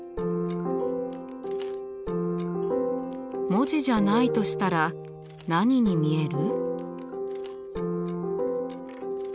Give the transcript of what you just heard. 文字じゃないとしたら何に見える？